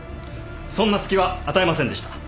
そんな隙は与えませんでした。